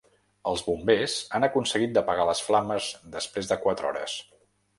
Els bombers han aconseguit d’apagar les flames després de quatre hores.